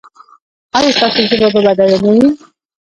ایا ستاسو ژبه به بډایه نه وي؟